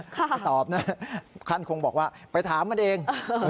ค่ะไม่ตอบนะคันคงบอกว่าไปถามมันเอง